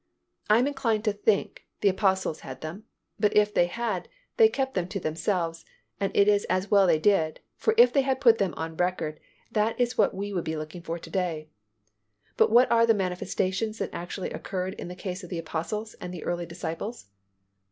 I am inclined to think the Apostles had them, but if they had, they kept them to themselves and it is well that they did, for if they had put them on record, that is what we would be looking for to day. But what are the manifestations that actually occurred in the case of the Apostles and the early disciples?